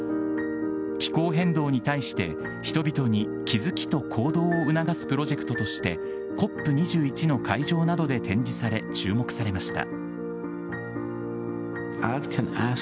気候変動に対して、人々に気付きと行動を促すプロジェクトとしてＣＯＰ２１の会場などで展示され、注目されました。